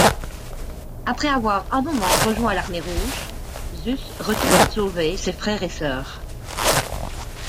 Après avoir un moment rejoint l'Armée rouge, Zus retourne sauver ses frères et sœurs.